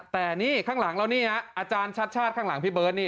แต่นี่ข้างหลังเรานี่ฮะอาจารย์ชัดชาติข้างหลังพี่เบิร์ตนี่